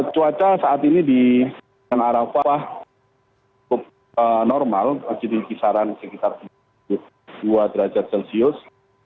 cuaca saat ini di arofah normal jadi kisaran sekitar dua derajat celcius